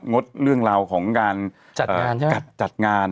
ดเรื่องราวของการจัดงาน